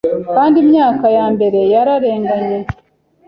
Kandi Imyaka yambere yararenganye